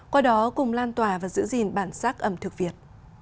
qua đó cùng lan tòa và giữ gìn bản sắc ẩm thực việt